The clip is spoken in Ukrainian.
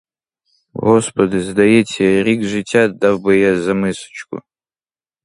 Господи, здається, рік життя дав би я за мисочку!